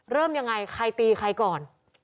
เริ่มยังไงใครตีใครก่อน